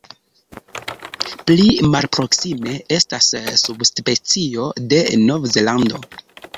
Pli malproksime estas subspecio de Novzelando.